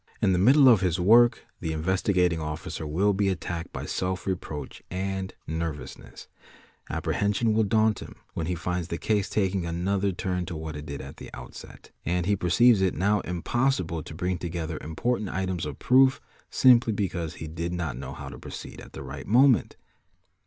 In the middle of his work tl Investigating Officer will be attacked by self reproach and nervousness apprehension will daunt him when he finds the case taking another tut to what it did at the outset, and he perceives it now impossible to b 'i together important items of proof simply because he did not know how proceed at the right moment.